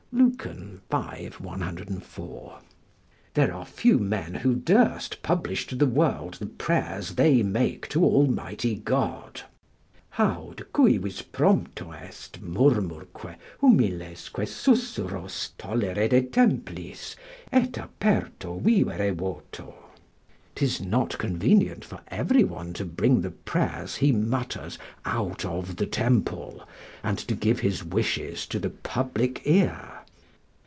Lucan, v. 104.] There are few men who durst publish to the world the prayers they make to Almighty God: "Haud cuivis promptum est, murmurque, humilesque susurros Tollere de templis, et aperto vivere voto" ["'Tis not convenient for every one to bring the prayers he mutters out of the temple, and to give his wishes to the public ear.